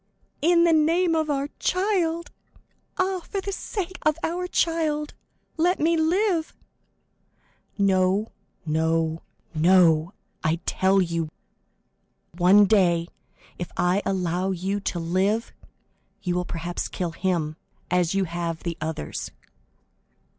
"In the name of our child! Ah, for the sake of our child, let me live!" 50167m "No, no, no, I tell you; one day, if I allow you to live, you will perhaps kill him, as you have the others!"